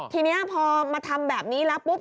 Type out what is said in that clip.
ทีนี้พอมาทำแบบนี้แล้วปุ๊บ